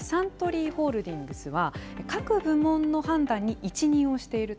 サントリーホールディングスは、各部門の判断に一任をしていると。